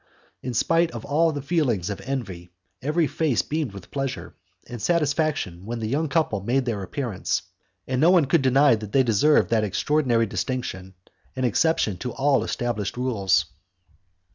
In spite of all feelings of envy, every face beamed with pleasure and satisfaction when the young couple made their appearance, and no one could deny that they deserved that extraordinary distinction, that exception to all established rules.